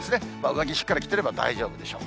上着しっかり着てれば大丈夫でしょう。